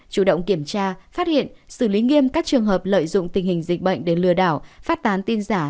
chủ động kiểm tra phát hiện xử lý nghiêm các trường hợp lợi dụng tình hình dịch bệnh để lừa đảo phát tán tin giả